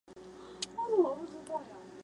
是国际法院成立以来首位华人院长。